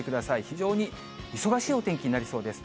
非常に忙しいお天気になりそうです。